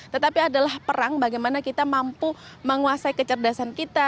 tetapi adalah perang bagaimana kita mampu menguasai kecerdasan kita